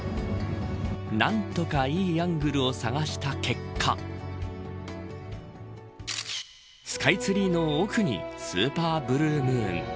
何とかいいアングルを探した結果スカイツリーの奥にスーパーブルームーン。